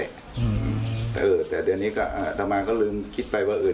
อัตตามากก็ยอมรับว่าอัตตามากก็จะใช้แบบ